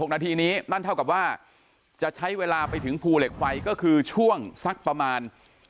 ๖นาทีนี้นั่นเท่ากับว่าจะใช้เวลาไปถึงภูเหล็กไฟก็คือช่วงสักประมาณ